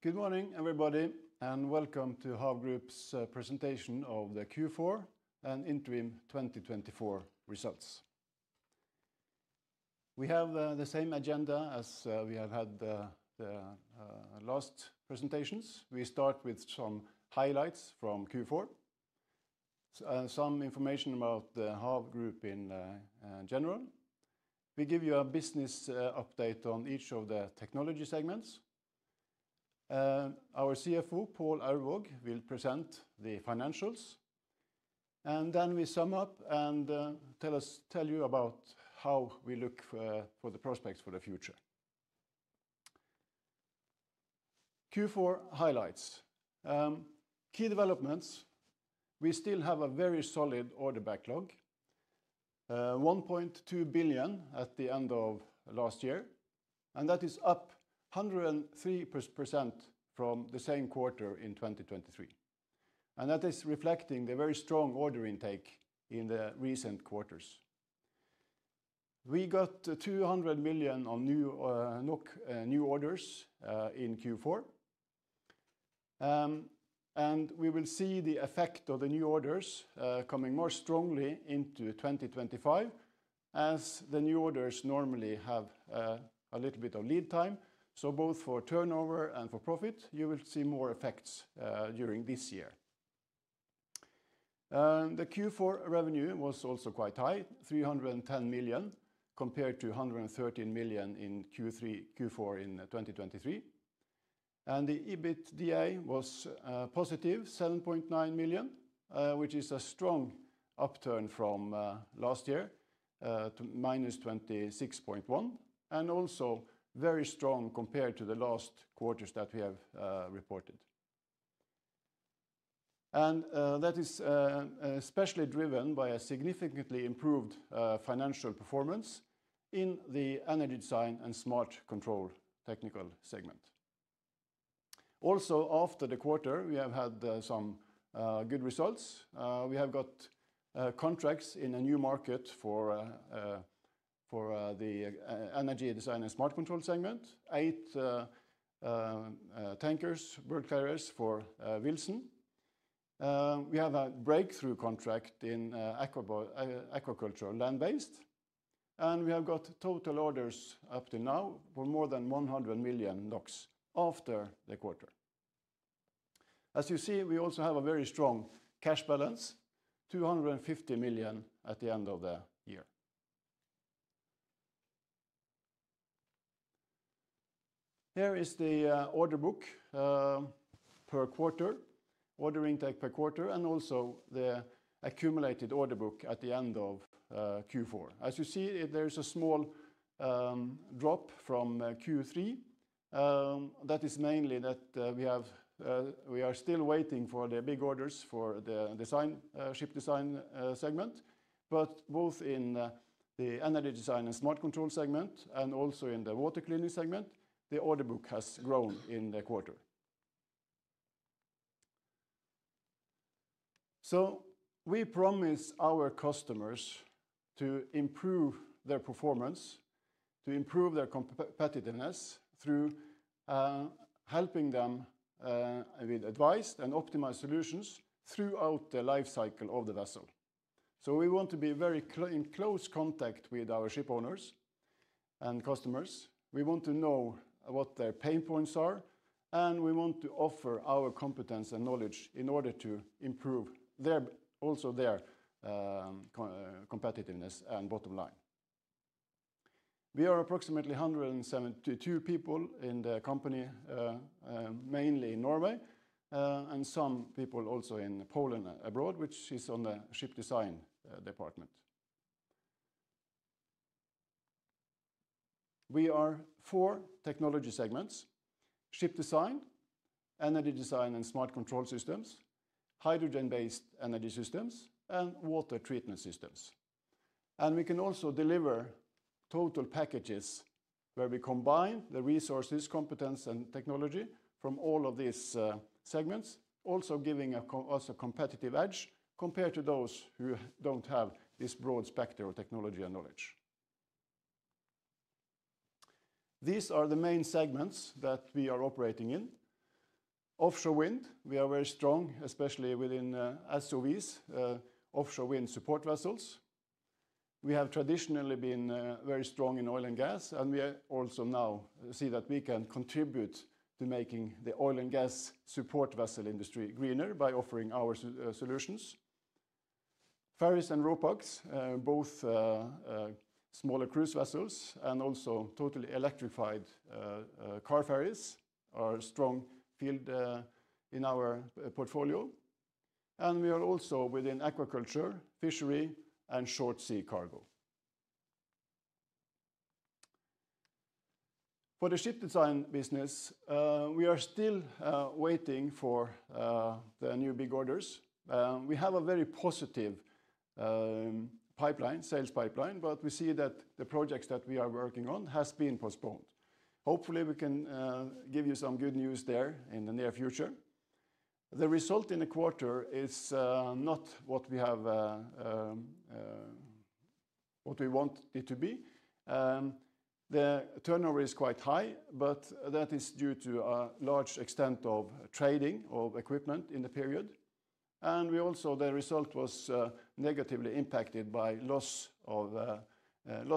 Good morning, everybody, and welcome to HAV Group's presentation of the Q4 and Interim 2024 results. We have the same agenda as we have had the last presentations. We start with some highlights from Q4 and some information about the HAV Group in general. We give you a business update on each of the technology segments. Our CFO, Pål Aurvåg, will present the financials, and then we sum up and tell you about how we look for the prospects for the future. Q4 highlights: key developments. We still have a very solid order backlog, 1.2 billion at the end of last year, and that is up 103% from the same quarter in 2023. That is reflecting the very strong order intake in the recent quarters. We got 200 million of new orders in Q4, and we will see the effect of the new orders coming more strongly into 2025, as the new orders normally have a little bit of lead time. Both for turnover and for profit, you will see more effects during this year. The Q4 revenue was also quite high, 310 million, compared to 113 million in Q4 in 2023. The EBITDA was positive, 7.9 million, which is a strong upturn from last year to minus 26.1 million, and also very strong compared to the last quarters that we have reported. That is especially driven by a significantly improved financial performance in the energy design and smart control technical segment. Also, after the quarter, we have had some good results. We have got contracts in a new market for the energy design and smart control segment, eight tankers, bulk carriers for Wilson. We have a breakthrough contract in aquaculture, land-based, and we have got total orders up to now for more than 100 million after the quarter. As you see, we also have a very strong cash balance, 250 million at the end of the year. Here is the order book per quarter, order intake per quarter, and also the accumulated order book at the end of Q4. As you see, there is a small drop from Q3. That is mainly that we are still waiting for the big orders for the ship design segment, but both in the energy design and smart control segment, and also in the water treatment systems segment, the order book has grown in the quarter. We promise our customers to improve their performance, to improve their competitiveness through helping them with advice and optimized solutions throughout the lifecycle of the vessel. We want to be very in close contact with our ship owners and customers. We want to know what their pain points are, and we want to offer our competence and knowledge in order to improve also their competitiveness and bottom line. We are approximately 172 people in the company, mainly in Norway, and some people also in Poland abroad, which is on the ship design department. We are four technology segments: ship design, energy design and smart control systems, hydrogen-based energy systems, and water treatment systems. We can also deliver total packages where we combine the resources, competence, and technology from all of these segments, also giving us a competitive edge compared to those who do not have this broad spectrum of technology and knowledge. These are the main segments that we are operating in. Offshore wind, we are very strong, especially within SOVs, offshore wind support vessels. We have traditionally been very strong in oil and gas, and we also now see that we can contribute to making the oil and gas support vessel industry greener by offering our solutions. Ferries and RoPax, both smaller cruise vessels and also totally electrified car ferries, are a strong field in our portfolio. We are also within aquaculture, fishery, and short sea cargo. For the ship design business, we are still waiting for the new big orders. We have a very positive pipeline, sales pipeline, but we see that the projects that we are working on have been postponed. Hopefully, we can give you some good news there in the near future. The result in the quarter is not what we want it to be. The turnover is quite high, but that is due to a large extent of trading of equipment in the period. We also, the result was negatively impacted by loss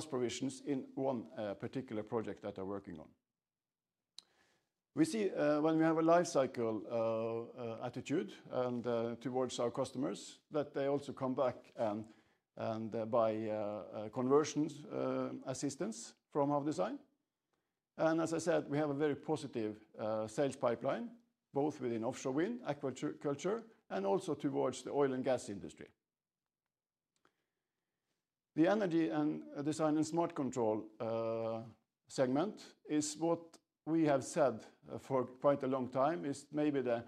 provisions in one particular project that we are working on. We see when we have a lifecycle attitude towards our customers that they also come back and buy conversion assistance from HAV Design. As I said, we have a very positive sales pipeline, both within offshore wind, aquaculture, and also towards the oil and gas industry. The energy and design and smart control segment is what we have said for quite a long time is maybe the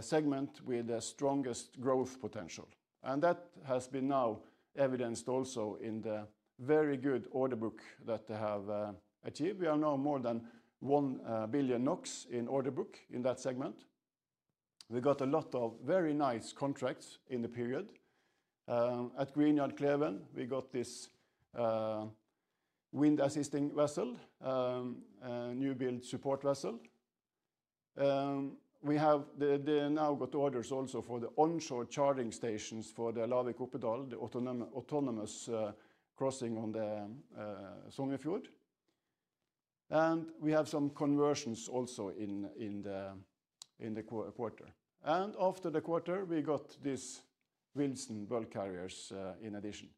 segment with the strongest growth potential. That has been now evidenced also in the very good order book that they have achieved. We are now more than 1 billion NOK in order book in that segment. We got a lot of very nice contracts in the period. At Green Yard Kleven, we got this wind assisting vessel, new build support vessel. We have now got orders also for the onshore charging stations for the Lavik-Oppedal, the autonomous crossing on the Sognefjord. We have some conversions also in the quarter. After the quarter, we got these Wilson bulk carriers in addition.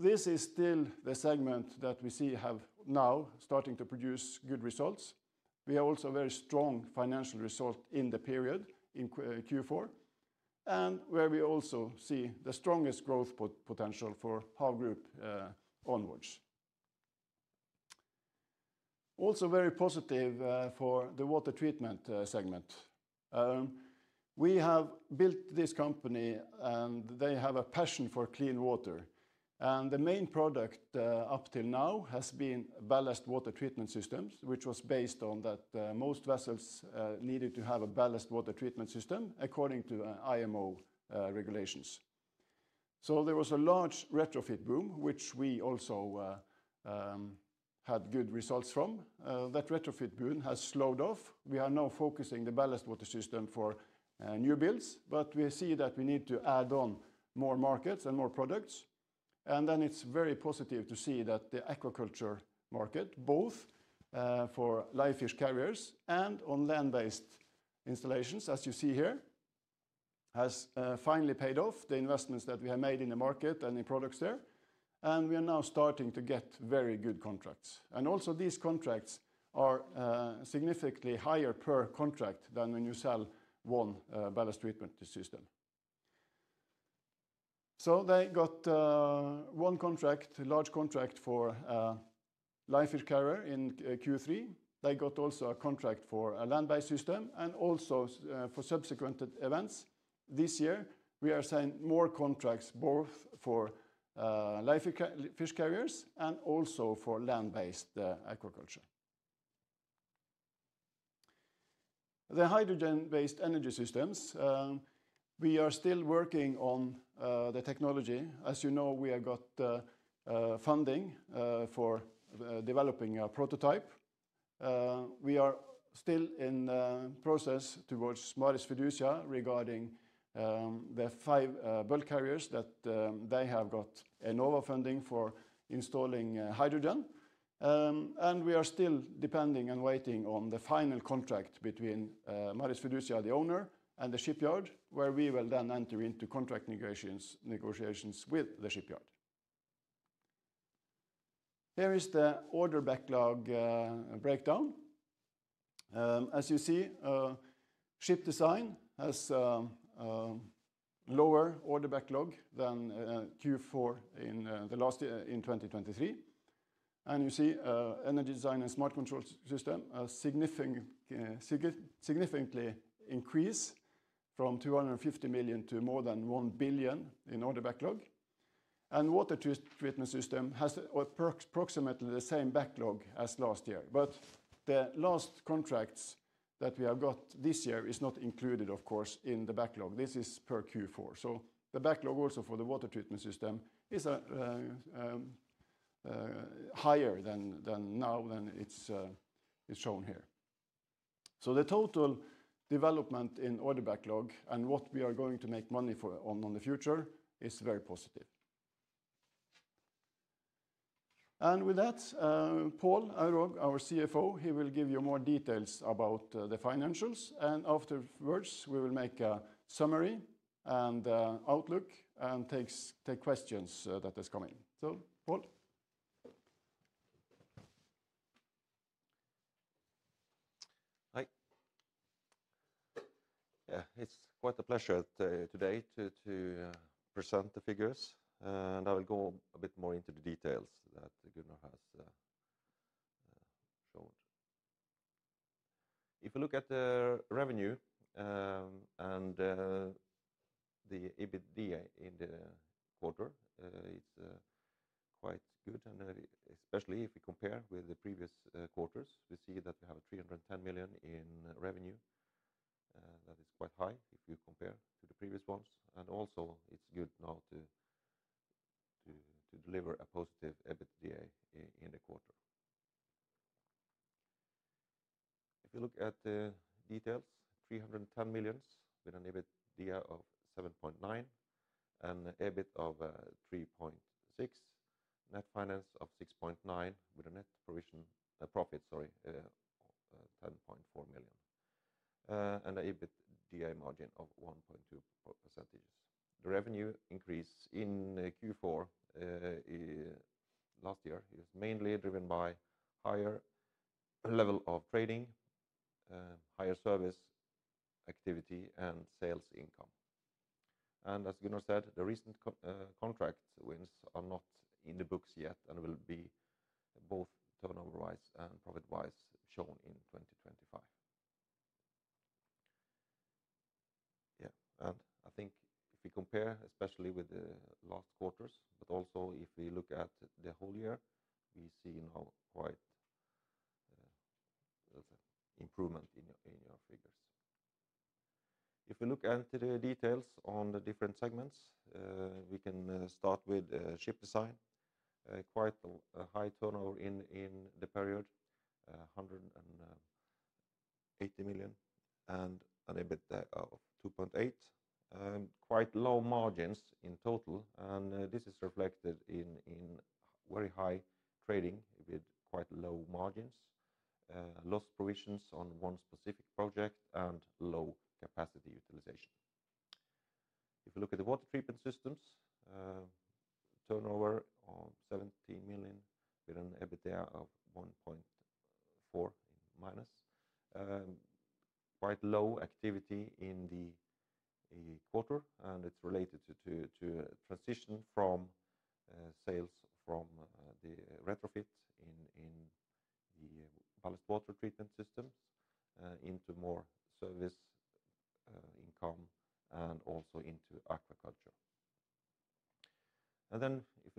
This is still the segment that we see have now starting to produce good results. We have also a very strong financial result in the period in Q4, where we also see the strongest growth potential for HAV Group onwards. Also very positive for the water treatment segment. We have built this company, and they have a passion for clean water. The main product up till now has been ballast water treatment systems, which was based on that most vessels needed to have a ballast water treatment system according to IMO regulations. There was a large retrofit boom, which we also had good results from. That retrofit boom has slowed off. We are now focusing the ballast water system for new builds, but we see that we need to add on more markets and more products. It is very positive to see that the aquaculture market, both for live fish carriers and on land-based installations, as you see here, has finally paid off the investments that we have made in the market and in products there. We are now starting to get very good contracts. Also, these contracts are significantly higher per contract than when you sell one ballast water treatment system. They got one contract, large contract for live fish carrier in Q3. They got also a contract for a land-based system and also for subsequent events. This year, we are signing more contracts both for live fish carriers and also for land-based aquaculture. The hydrogen-based energy systems, we are still working on the technology. As you know, we have got funding for developing a prototype. We are still in the process towards Maris Fiducia regarding the five bulk carriers that they have got a Enova funding for installing hydrogen. We are still depending and waiting on the final contract between Maris Fiducia, the owner, and the shipyard, where we will then enter into contract negotiations with the shipyard. Here is the order backlog breakdown. As you see, ship design has lower order backlog than Q4 in 2023. You see energy design and smart control system has significantly increased from 250 million to more than 1 billion in order backlog. Water treatment system has approximately the same backlog as last year. The last contracts that we have got this year are not included, of course, in the backlog. This is per Q4. The backlog also for the water treatment system is higher now than it's shown here. The total development in order backlog and what we are going to make money on in the future is very positive. With that, Pål Aurvåg, our CFO, will give you more details about the financials. Afterwards, we will make a summary and outlook and take questions that are coming. Pål? Hi. Yeah, it's quite a pleasure today to present the figures. I will go a bit more into the details that Gunnar has shown. If we look at the revenue and the EBITDA in the quarter, it's quite good, especially if we compare with the previous quarters. We see that we have 310 million in revenue. That is quite high if you compare to the previous ones. Also, it's good now to deliver a positive EBITDA in the quarter. If you look at the details, 310 million with an EBITDA of 7.9 million and an EBIT of 3.6 million, net finance of 6.9 million with a net provision profit, sorry, NOK 10.4 million, and an EBITDA margin of 1.2%. The revenue increase in Q4 last year is mainly driven by higher level of trading, higher service activity, and sales income. As Gunnar said, the recent contract wins are not in the books yet and will be both turnover-wise and profit-wise shown in 2025. Yeah, I think if we compare, especially with the last quarters, but also if we look at the whole year, we see now quite an improvement in your figures. If we look at the details on the different segments, we can start with ship design, quite a high turnover in the period, 180 million and an EBIT of 2.8 million, and quite low margins in total.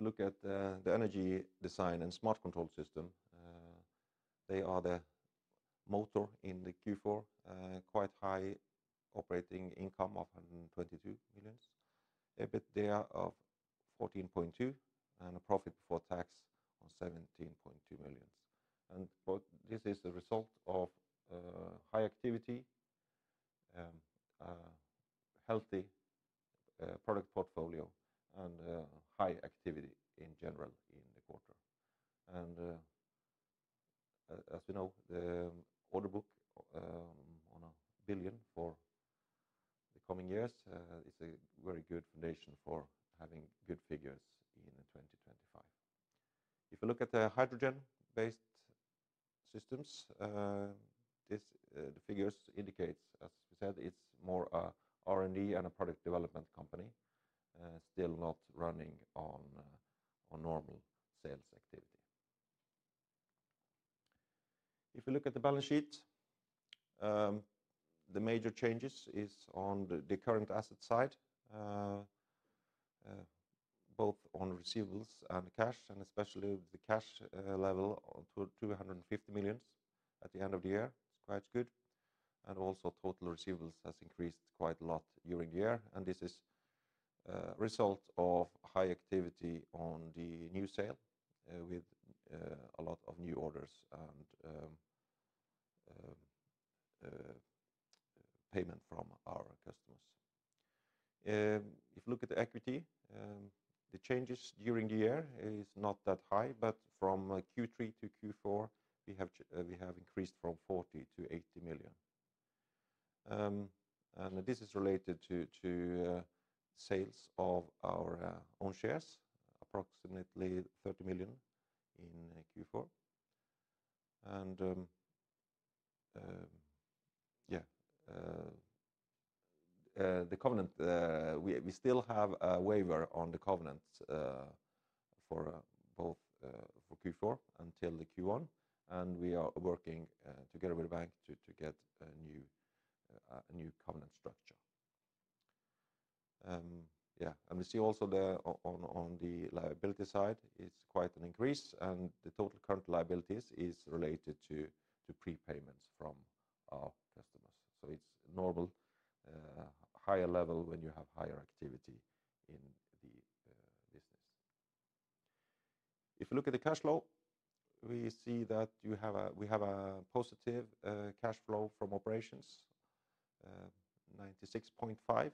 This is reflected in very high trading with quite low margins, lost provisions on one specific project, and low capacity utilization. If we look at the water treatment systems, turnover of NOK 17 million with an EBITDA of NOK 1.4 million minus, quite low activity in the quarter, and it is related to transition from sales from the retrofit in the ballast water treatment systems into more service income and also into aquaculture. If we look at the energy design and smart control systems, they are the motor in the Q4, quite high operating income of NOK 122 million, EBITDA of NOK 14.2 million, and a profit before tax of 17.2 million. This is the result of high activity, healthy product portfolio, and high activity in general in the quarter. As we know, the order book on a billion for the coming years is a very good foundation for having good figures in 2025. If we look at the hydrogen-based systems, the figures indicate, as we said, it's more an R&D and a product development company, still not running on normal sales activity. If we look at the balance sheet, the major changes are on the current asset side, both on receivables and cash, and especially the cash level to 250 million at the end of the year. It's quite good. Also, total receivables have increased quite a lot during the year. This is the result of high activity on the new sale with a lot of new orders and payment from our customers. If we look at the equity, the changes during the year are not that high, but from Q3 to Q4, we have increased from 40 million to 80 million. This is related to sales of our own shares, approximately 30 million in Q4. Yeah, the covenant, we still have a waiver on the covenant for both for Q4 until Q1. We are working together with the bank to get a new covenant structure. Yeah, we see also on the liability side, it's quite an increase, and the total current liabilities are related to prepayments from our customers. It is normal, higher level when you have higher activity in the business. If we look at the cash flow, we see that we have a positive cash flow from operations, 96.5 million.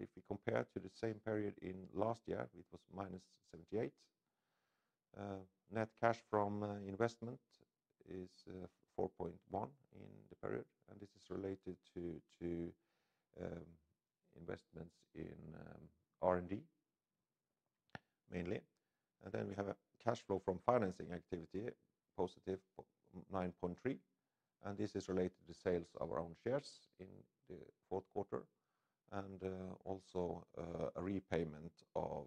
If we compare to the same period in last year, it was minus 78 million. Net cash from investment is 4.1 million in the period. This is related to investments in R&D mainly. We have a cash flow from financing activity, positive, 9.3 million. This is related to sales of our own shares in the fourth quarter and also a repayment of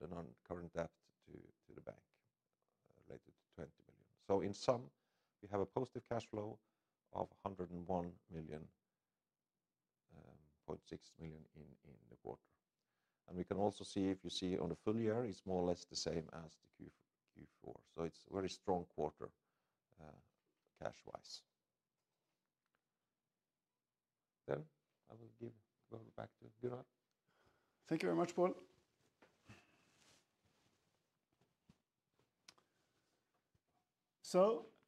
the non-current debt to the bank, related to 20 million. In sum, we have a positive cash flow of 101 million, 0.6 million in the quarter. We can also see, if you see on the full year, it is more or less the same as the Q4. It is a very strong quarter cash-wise. I will give back to Gunnar. Thank you very much, Pål.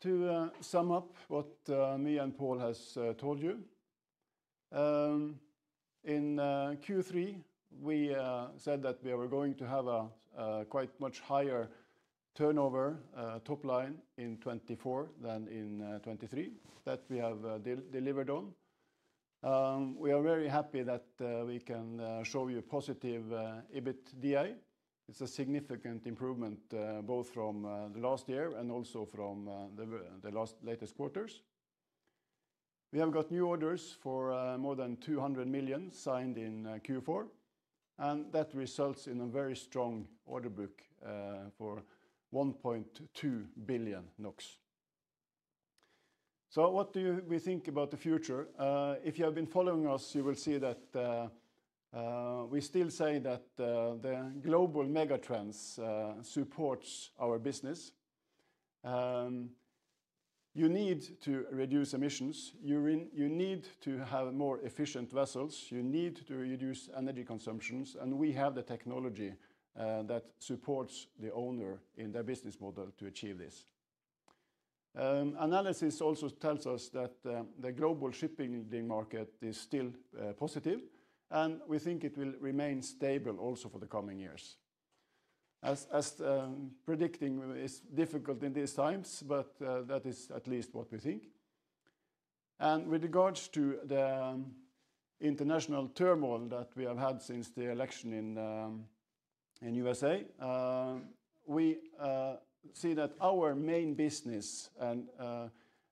To sum up what me and Pål have told you, in Q3, we said that we were going to have a quite much higher turnover top line in 2024 than in 2023 that we have delivered on. We are very happy that we can show you positive EBITDA. It is a significant improvement both from last year and also from the latest quarters. We have got new orders for more than 200 million signed in Q4. That results in a very strong order book for 1.2 billion NOK. What do we think about the future? If you have been following us, you will see that we still say that the global megatrends support our business. You need to reduce emissions. You need to have more efficient vessels. You need to reduce energy consumptions. We have the technology that supports the owner in their business model to achieve this. Analysis also tells us that the global shipping market is still positive. We think it will remain stable also for the coming years. Predicting is difficult in these times, but that is at least what we think. With regards to the international turmoil that we have had since the election in the U.S., we see that our main business and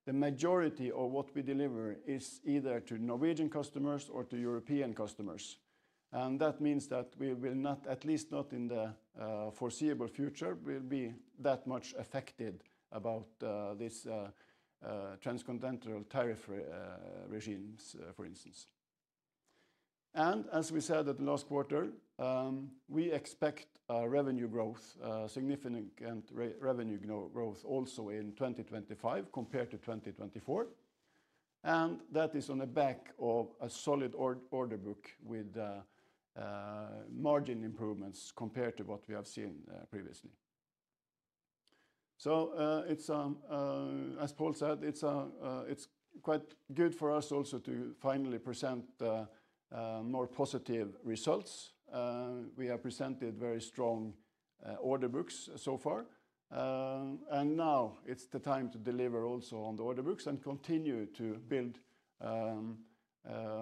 the majority of what we deliver is either to Norwegian customers or to European customers. That means that we will not, at least not in the foreseeable future, be that much affected by this transcontinental tariff regime, for instance. As we said at the last quarter, we expect significant revenue growth also in 2025 compared to 2024. That is on the back of a solid order book with margin improvements compared to what we have seen previously. As Pål said, it is quite good for us also to finally present more positive results. We have presented very strong order books so far. Now it is the time to deliver also on the order books and continue to build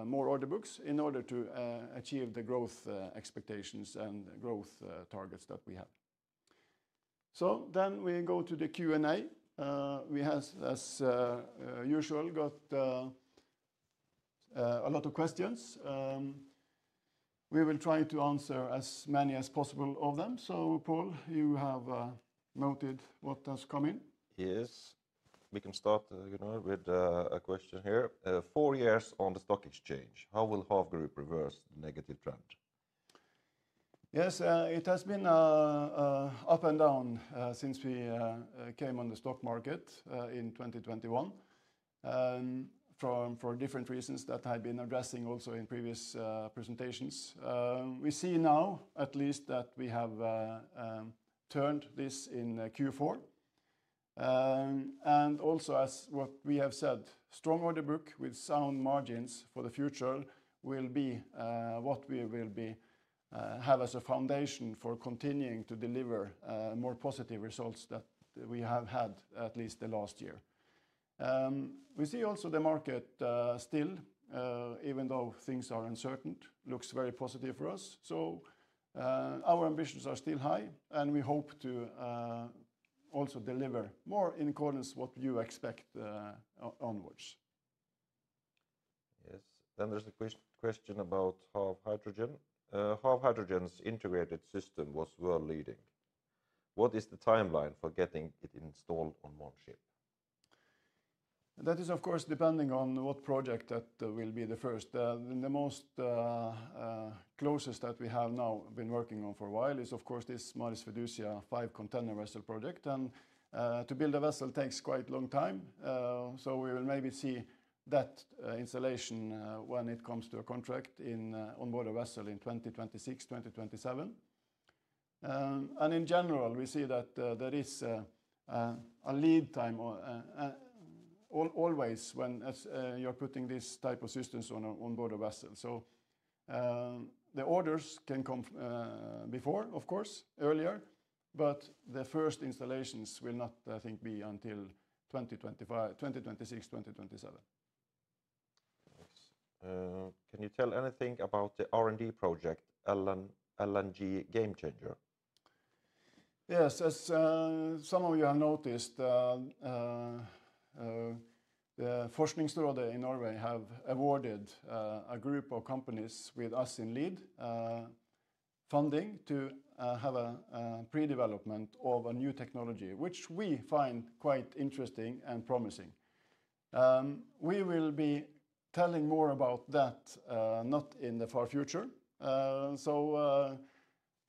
more order books in order to achieve the growth expectations and growth targets that we have. We go to the Q&A. We have, as usual, got a lot of questions. We will try to answer as many as possible of them. Pål, you have noted what has come in. Yes. We can start with a question here. Four years on the stock exchange, how will HAV Group reverse the negative trend? Yes, it has been up and down since we came on the stock market in 2021 for different reasons that I've been addressing also in previous presentations. We see now, at least, that we have turned this in Q4. As what we have said, strong order book with sound margins for the future will be what we will have as a foundation for continuing to deliver more positive results that we have had at least the last year. We see also the market still, even though things are uncertain, looks very positive for us. Our ambitions are still high, and we hope to also deliver more in accordance with what you expect onwards. Yes. There is a question about HAV Hydrogen. HAV Hydrogen's integrated system was world-leading. What is the timeline for getting it installed on one ship? That is, of course, depending on what project that will be the first. The most closest that we have now been working on for a while is, of course, this Maris Fiducia 5 container vessel project. To build a vessel takes quite a long time. We will maybe see that installation when it comes to a contract onboard a vessel in 2026, 2027. In general, we see that there is a lead time always when you're putting this type of systems onboard a vessel. The orders can come before, of course, earlier, but the first installations will not, I think, be until 2026, 2027. Can you tell anything about the R&D project, LNGameChanger? Yes, as some of you have noticed, the Forskningsrådet in Norway have awarded a group of companies with us in lead funding to have a pre-development of a new technology, which we find quite interesting and promising. We will be telling more about that not in the far future.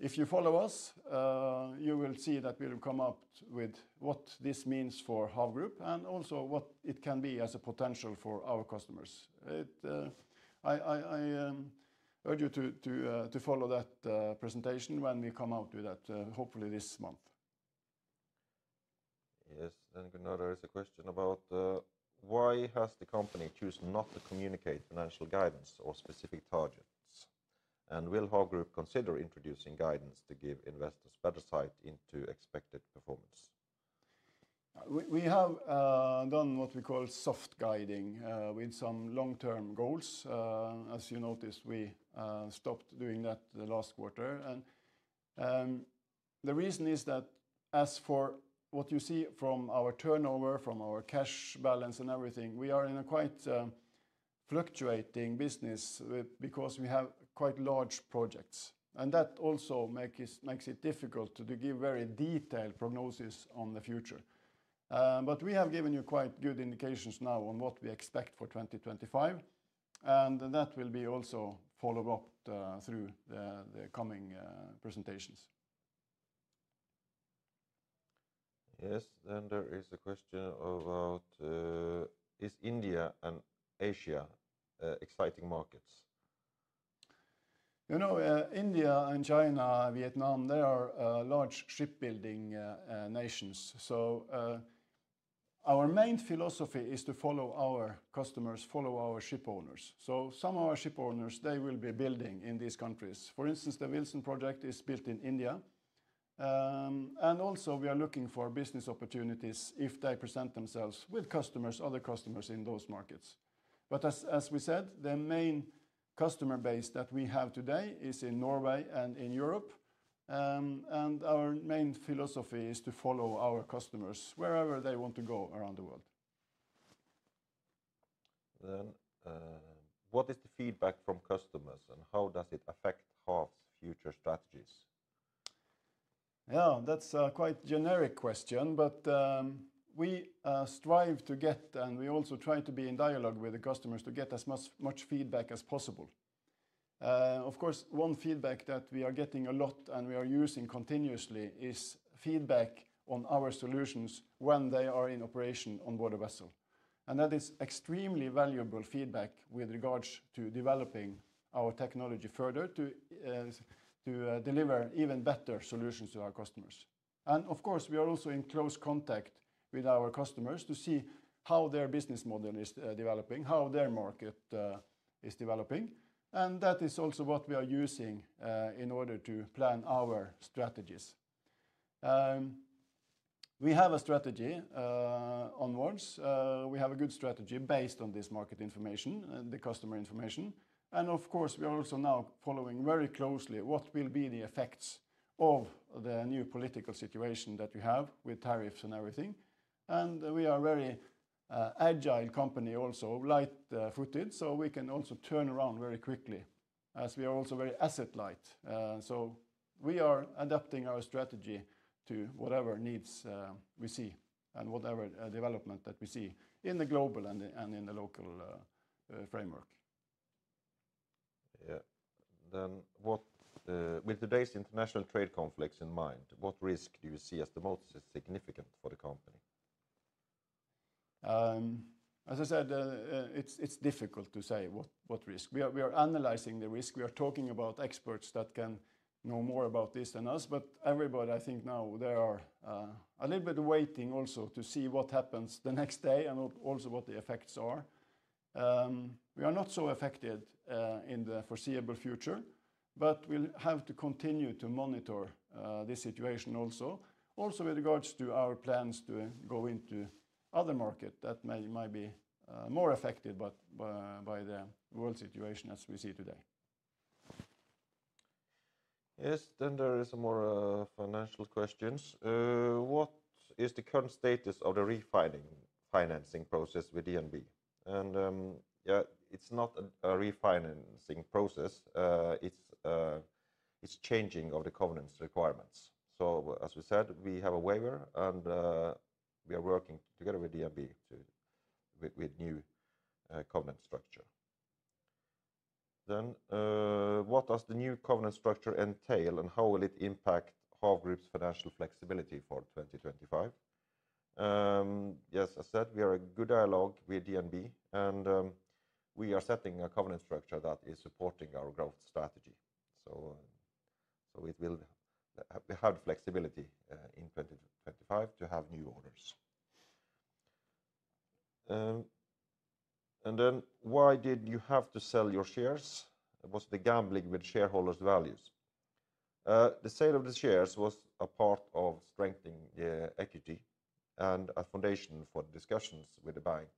If you follow us, you will see that we will come up with what this means for HAV Group and also what it can be as a potential for our customers. I urge you to follow that presentation when we come out with that, hopefully this month. Yes. Gunnar, there is a question about why has the company chosen not to communicate financial guidance or specific targets? Will HAV Group consider introducing guidance to give investors better sight into expected performance? We have done what we call soft guiding with some long-term goals. As you noticed, we stopped doing that the last quarter. The reason is that as for what you see from our turnover, from our cash balance and everything, we are in a quite fluctuating business because we have quite large projects. That also makes it difficult to give very detailed prognosis on the future. We have given you quite good indications now on what we expect for 2025. That will be also followed up through the coming presentations. Yes. There is a question about is India and Asia exciting markets? You know, India and China, Vietnam, they are large shipbuilding nations. Our main philosophy is to follow our customers, follow our shipowners. Some of our shipowners, they will be building in these countries. For instance, the Wilson project is built in India. We are also looking for business opportunities if they present themselves with customers, other customers in those markets. As we said, the main customer base that we have today is in Norway and in Europe. Our main philosophy is to follow our customers wherever they want to go around the world. What is the feedback from customers and how does it affect HAV's future strategies? Yeah, that's a quite generic question, but we strive to get and we also try to be in dialogue with the customers to get as much feedback as possible. Of course, one feedback that we are getting a lot and we are using continuously is feedback on our solutions when they are in operation onboard a vessel. That is extremely valuable feedback with regards to developing our technology further to deliver even better solutions to our customers. Of course, we are also in close contact with our customers to see how their business model is developing, how their market is developing. That is also what we are using in order to plan our strategies. We have a strategy onwards. We have a good strategy based on this market information and the customer information. Of course, we are also now following very closely what will be the effects of the new political situation that we have with tariffs and everything. We are a very agile company also, light-footed, so we can also turn around very quickly as we are also very asset-light. We are adapting our strategy to whatever needs we see and whatever development that we see in the global and in the local framework. Yeah. With today's international trade conflicts in mind, what risk do you see as the most significant for the company? As I said, it's difficult to say what risk. We are analyzing the risk. We are talking about experts that can know more about this than us. Everybody, I think now they are a little bit waiting also to see what happens the next day and also what the effects are. We are not so affected in the foreseeable future, but we'll have to continue to monitor this situation also. Also with regards to our plans to go into other markets that may be more affected by the world situation as we see today. Yes. There are some more financial questions. What is the current status of the refinancing process with DNB? Yeah, it's not a refinancing process. It's changing of the covenants requirements. As we said, we have a waiver and we are working together with DNB with a new covenant structure. What does the new covenant structure entail and how will it impact HAV Group's financial flexibility for 2025? Yes, as I said, we are in good dialogue with DNB and we are setting a covenant structure that is supporting our growth strategy. We have the flexibility in 2025 to have new orders. Why did you have to sell your shares? Was it gambling with shareholders' values? The sale of the shares was a part of strengthening the equity and a foundation for discussions with the bank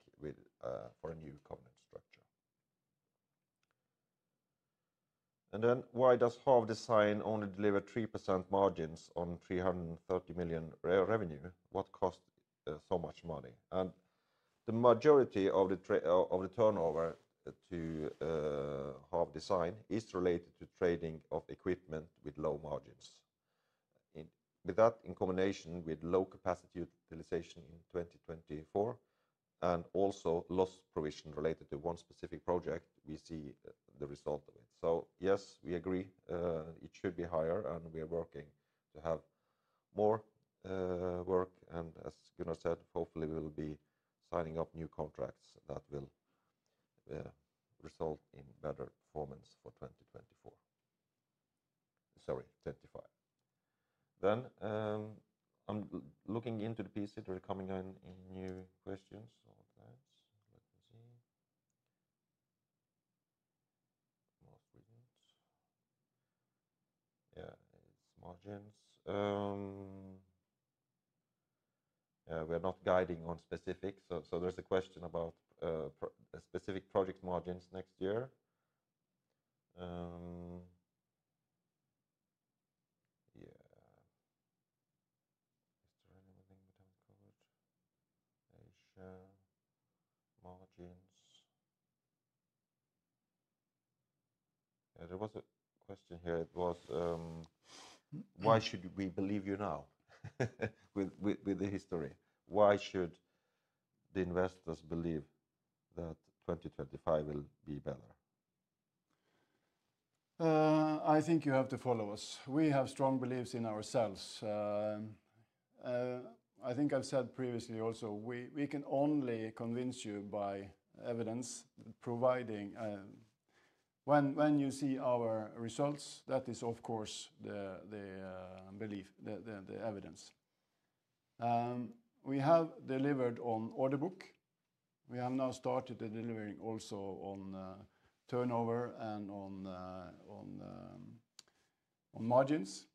for a new covenant structure. Why does HAV Design only deliver 3% margins on 330 million revenue? What costs so much money? The majority of the turnover to HAV Design is related to trading of equipment with low margins. With that in combination with low capacity utilization in 2024 and also lost provision related to one specific project, we see the result of it. Yes, we agree it should be higher and we are working to have more work. As Gunnar said, hopefully we will be signing up new contracts that will result in better performance for 2024. Sorry, 2025. I am looking into the PC, there are coming in new questions or that. Let me see. Most recent. Yeah, it is margins. We are not guiding on specifics. There is a question about specific project margins next year. Is there anything we have not covered? Asia, margins. There was a question here. It was, why should we believe you now with the history? Why should the investors believe that 2025 will be better? I think you have to follow us. We have strong beliefs in ourselves. I think I've said previously also, we can only convince you by evidence providing when you see our results, that is of course the belief, the evidence. We have delivered on order book. We have now started delivering also on turnover and on margins.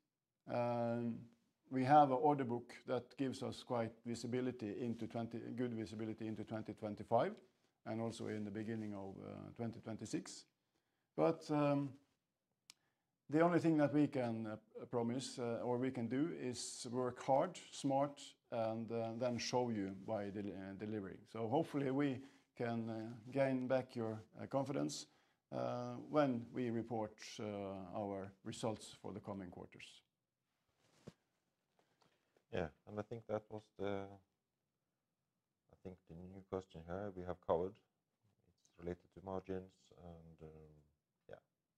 We have an order book that gives us quite good visibility into 2025 and also in the beginning of 2026. The only thing that we can promise or we can do is work hard, smart, and then show you by delivering. Hopefully we can gain back your confidence when we report our results for the coming quarters. Yeah. I think that was the, I think the new question here we have covered. It's related to margins and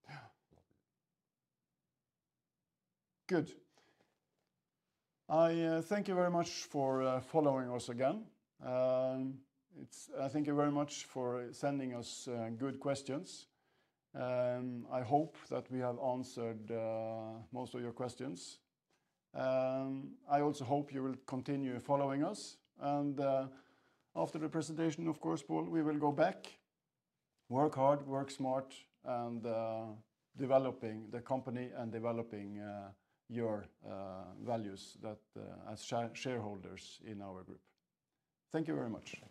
yeah. Good. I thank you very much for following us again. I thank you very much for sending us good questions. I hope that we have answered most of your questions. I also hope you will continue following us. After the presentation, of course, Pål, we will go back, work hard, work smart, and developing the company and developing your values as shareholders in our group. Thank you very much.